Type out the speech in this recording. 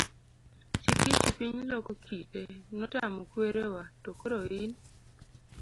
Chikichi piny loko kite ,notamo kwerewa, to koro in?